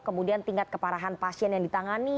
kemudian tingkat keparahan pasien yang ditangani